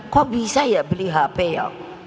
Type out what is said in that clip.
kok bisa ya beli hp ya